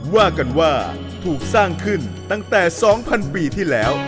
ว่ากันว่าถูกสร้างขึ้นตั้งแต่๒๐๐๐ปีที่แล้ว